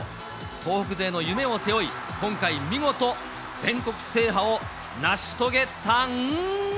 東北勢の夢を背負い、今回、見事、全国制覇を成し遂げたん。